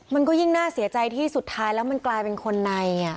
มันก็ยิ่งน่าเสียใจที่สุดท้ายแล้วมันกลายเป็นคนใน